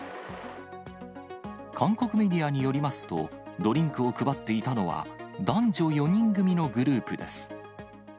韓国メディアによりますと、ドリンクを配っていたのは、男女４人組のグループです。